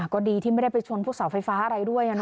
ก็ดีที่ไม่ได้ไปชนพวกเสาไฟฟ้าอะไรด้วย